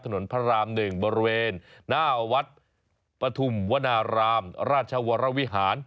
พระราม๑บริเวณหน้าวัดปฐุมวนารามราชวรวิหาร